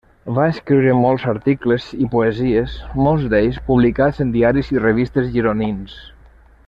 Va escriure molts articles i poesies, molts d'ells publicats en diaris i revistes gironins.